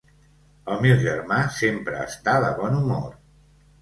El meu germà sempre està de bon humor.